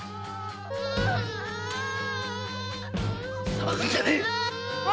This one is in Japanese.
騒ぐんじゃねえ！